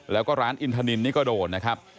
แล้วก็ร้านอินทานินนี่ก็โดนนะครับ